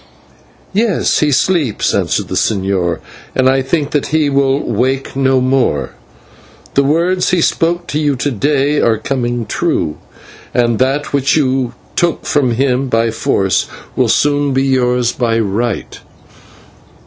"Yes, he sleeps," answered the señor, "and I think that he will wake no more. The words he spoke to you to day are coming true, and that which you took from him by force will soon be yours by right."